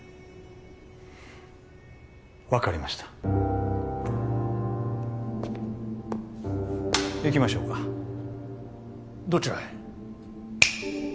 分かりました行きましょうかどちらへ？